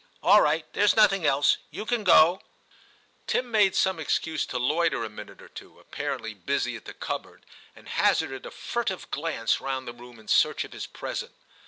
All right, there's nothing else ; you can jgo.' no TIM CHAP. Tim made some excuse to loiter a minute or two, apparently busy at the cupboard, and hazarded a furtive glance round the room in search of his present.